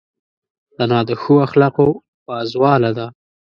انا د ښو اخلاقو پازواله ده